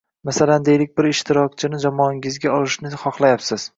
Masalan, deylik bir ishtirokchini jamoangizga olishni xohlayapsiz